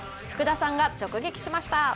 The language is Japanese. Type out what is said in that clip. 福田さんが直撃しました。